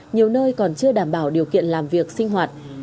nhiều nơi còn chưa đảm bảo điều kiện làm việc sinh hoạt